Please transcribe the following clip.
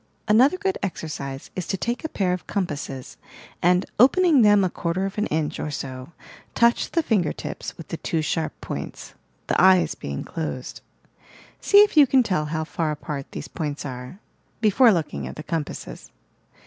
Another good exercise is to take a pair of com passes and, opening them a quarter of an inch or so, touch the finger tips with the two sharp points, the eyes being closed. See if you can tell how far apart these points are, — before looking at the compasses.